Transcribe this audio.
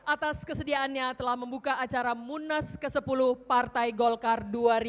atas kesediaannya telah membuka acara munas ke sepuluh partai golkar dua ribu dua puluh